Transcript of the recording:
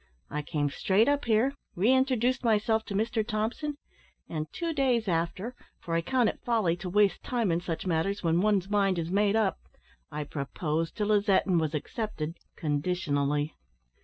I came straight up here, re introduced myself to Mr Thompson; and, two days after for I count it folly to waste time in such matters when one's mind is made up I proposed to Lizette, and was accepted conditionally.